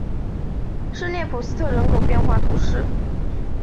圣普列斯特人口变化图示